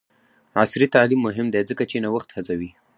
عصري تعلیم مهم دی ځکه چې نوښت هڅوي.